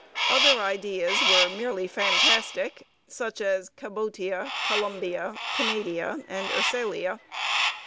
Other ideas were merely fantastic, such as Cabotia, Columbia, Canadia, and Ursalia.